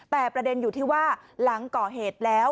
แต่ประเด็นอยู่ที่ว่าหลังก่อเหตุแล้ว